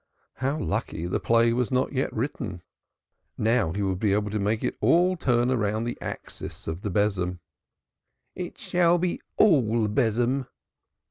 How lucky the play was not yet written! Now he would be able to make it all turn round the axis of the besom. "It shall be all besom!"